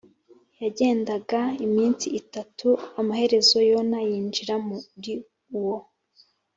yagenda iminsi itatu Amaherezo Yona yinjira muri uwo